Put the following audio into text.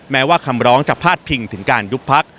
แม้ว่าคำร้องจะพาดพิงถึงการยุบพัก